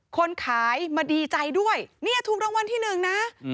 คนขายมาดีใจด้วยเนี่ยถูกรางวัลที่หนึ่งนะ